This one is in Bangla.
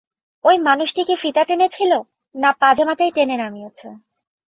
ঐ মানুষটি কি ফিতা টেনেছিল, না পাজামাটাই টেনে নামিয়েছে?